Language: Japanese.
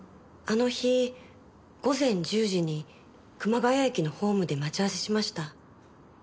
あの日午前１０時に熊谷駅のホームで待ち合わせしました。